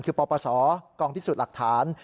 คือปปศกองพิสูจน์หลักฐาน